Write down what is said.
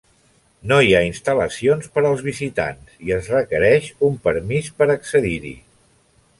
No hi ha instal·lacions per als visitants i es requereix un permís per a accedir-hi.